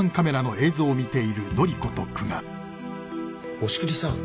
押切さん。